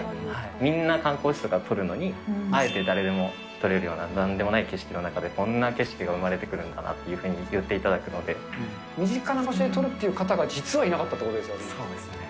みんな観光地とか撮るのにあえて誰でも撮れるようななんでもない景色の中で、こんな景色が生まれてくるのかなっていうふうに身近な場所で撮るっていう方が実はいなかったっていうことですよね。